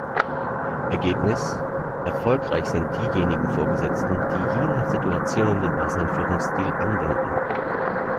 Ergebnis: Erfolgreich sind diejenigen Vorgesetzten, die je nach Situation den passenden Führungsstil anwenden.